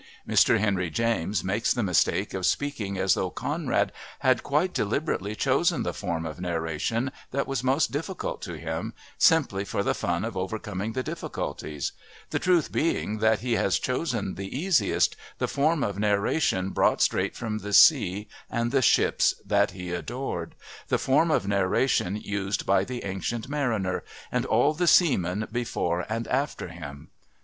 Mr Henry James makes the mistake of speaking as though Conrad had quite deliberately chosen the form of narration that was most difficult to him, simply for the fun of overcoming the difficulties, the truth being that he has chosen the easiest, the form of narration brought straight from the sea and the ships that he adored, the form of narration used by the Ancient Mariner and all the seamen before and after him.